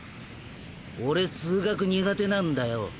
俺数学苦手なんだよ。